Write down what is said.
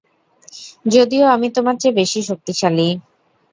যদিও আমি তোমার চেয়ে বেশি শক্তিশালী।